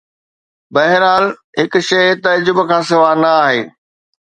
بهرحال، هڪ شيء تعجب کان سواء نه آهي.